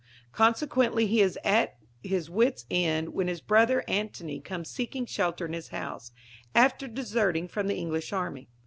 Consequently, he is at his wits' end when his brother Antony comes seeking shelter in his house, after deserting from the English Army.